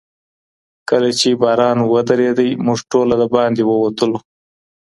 کله چي باران ودرېدی، موږ ټوله د باندې ووتلو.